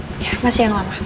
iya masih yang lama